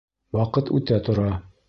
Ваҡыт үтә тора